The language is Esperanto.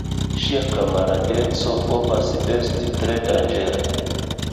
Ŝia kamaradeco povas esti tre danĝera.